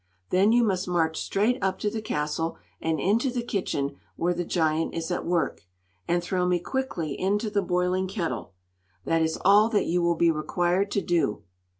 Then you must march straight up to the castle and into the kitchen where the giant is at work, and throw me quickly into the boiling kettle. That is all that you will be required to do."